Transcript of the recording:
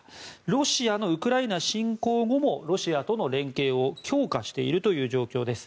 ロシアのウクライナ侵攻後もロシアとの連携を強化しているという状況です。